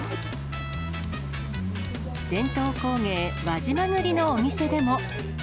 伝統工芸、輪島塗のお店でも。